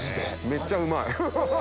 めっちゃうまい！